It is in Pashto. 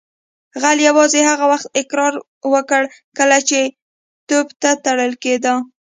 غل یوازې هغه وخت اقرار وکړ کله چې توپ ته تړل کیده